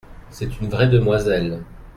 C’est une vraie demoiselle.